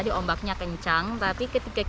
dia mer thermal telinga telinga